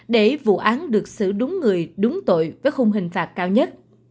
thực sự đúng người đúng tội với khung hình phạt cao nhất